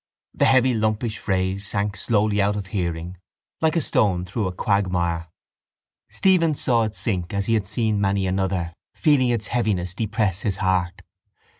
The heavy lumpish phrase sank slowly out of hearing like a stone through a quagmire. Stephen saw it sink as he had seen many another, feeling its heaviness depress his heart.